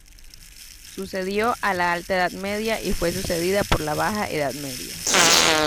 Sucedió a la Alta Edad Media y fue sucedida por la Baja Edad Media.